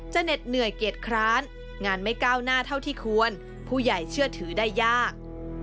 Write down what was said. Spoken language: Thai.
เหน็ดเหนื่อยเกลียดคร้านงานไม่ก้าวหน้าเท่าที่ควรผู้ใหญ่เชื่อถือได้ยาก